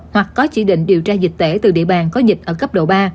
hoặc có chỉ định điều tra dịch tễ từ địa bàn có dịch ở cấp độ ba